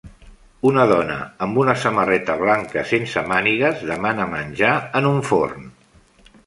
Una dona amb una samarreta blanca sense mànigues demana menjar en un forn.